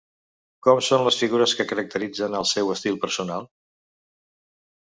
Com són les figures que caracteritzen el seu estil personal?